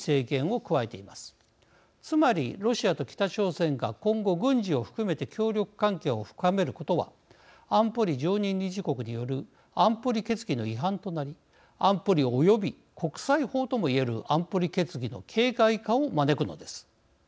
つまりロシアと北朝鮮が今後軍事を含めて協力関係を深めることは安保理常任理事国による安保理決議の違反となり安保理および国際法とも言える安保理決議の形骸化を招くのです。